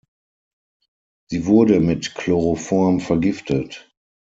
Sie wurde mit Chloroform vergiftet.